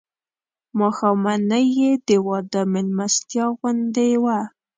ماښامنۍ یې د واده مېلمستیا غوندې وه.